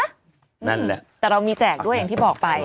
นั่นแหละแต่เรามีแจกด้วยอย่างที่บอกไป